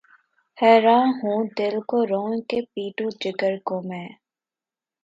حیراں ہوں‘ دل کو روؤں کہ‘ پیٹوں جگر کو میں